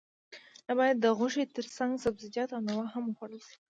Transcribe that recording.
نه باید د غوښې ترڅنګ سبزیجات او میوه هم وخوړل شي